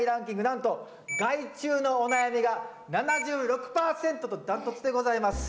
なんと害虫のお悩みが７６％と断トツでございます。